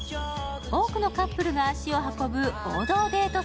多くのカップルが足を運ぶ王道デート